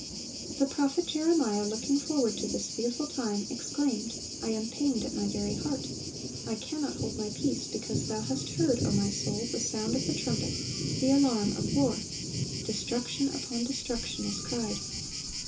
(499) The prophet Jeremiah, looking forward to this fearful time, exclaimed: "I am pained at my very heart." "I cannot hold my peace, because thou hast heard, O my soul, the sound of the trumpet, the alarm of war. Destruction upon destruction is cried."